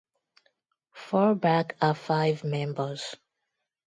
Four back are five members.